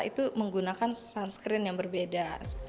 itu menggunakan sunscreen yang berbeda